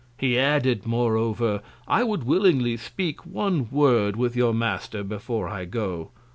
He added moreover, I would willingly speak one Word with your Master before I go.